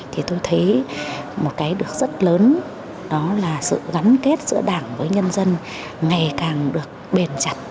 thì tôi thấy một cái được rất lớn đó là sự gắn kết giữa đảng với nhân dân ngày càng được bền chặt